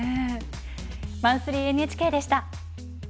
「マンスリーＮＨＫ」でした。